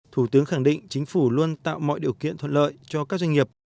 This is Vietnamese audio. thủ tướng khẳng định chính phủ luôn tạo mọi điều kiện thuận lợi cho các doanh nghiệp